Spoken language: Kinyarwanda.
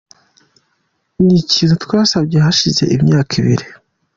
Ni ikintu twasabye hashize imyaka ibiri.